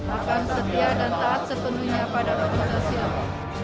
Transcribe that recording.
akan setia dan taat sepenuhnya kepada pancasila